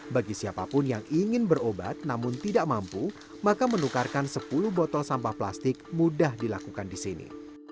bagi siapapun yang ingin berobat namun tidak mampu maka menukarkan sepuluh botol sampah plastik mudah dilakukan di sini